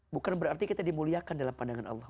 bukan berarti kita dimuliakan dalam pandangan allah